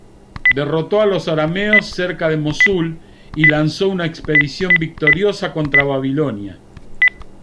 Derrotó a los arameos cerca de Mosul, y lanzó una expedición victoriosa contra Babilonia.